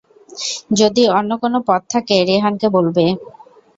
যদি অন্য কোন পথ থাকে রেহান কে বলবে।